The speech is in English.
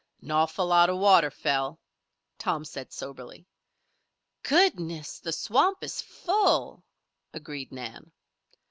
"An awful lot of water fell," Tom said soberly. "Goodness! The swamp is full," agreed Nan.